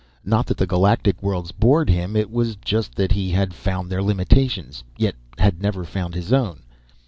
Not that the galactic worlds bored him. It was just that he had found their limitations yet had never found his own.